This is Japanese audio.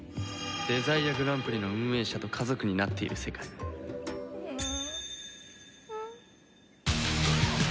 デザイアグランプリの運営者と家族になっている世界んん。